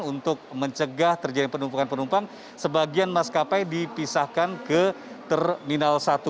untuk mencegah terjadi penumpukan penumpang sebagian maskapai dipisahkan ke terminal satu